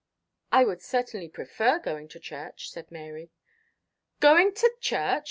"I would certainly prefer going to church," said Mary. "Going to church!"